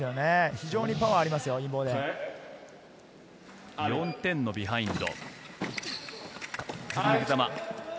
非常にパワーありますよ、インボ４点のビハインド。